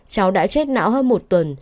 cháu đã chết não hơn một tuần